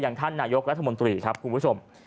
ท่านนายกรัฐมนตรีครับคุณผู้ชม